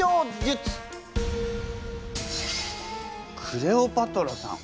クレオパトラさん